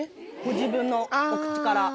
ご自分のお口から。